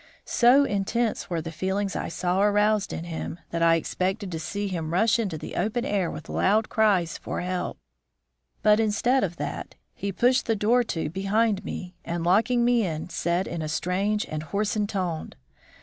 So intense were the feelings I saw aroused in him that I expected to see him rush into the open air with loud cries for help. But instead of that, he pushed the door to behind me, and locking me in, said, in a strange and hoarsened tone?